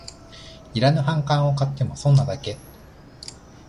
いらぬ反感を買っても損なだけ